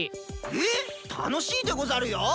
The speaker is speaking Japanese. ええっ楽しいでござるよ。